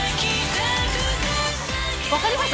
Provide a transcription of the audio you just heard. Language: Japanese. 分かりました？